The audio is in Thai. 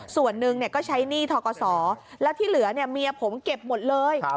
ส่วนหนึ่งก็ใช้หนี้ทกศแล้วที่เหลือเนี่ยเมียผมเก็บหมดเลย